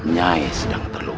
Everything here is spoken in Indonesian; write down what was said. nyai sedang terluka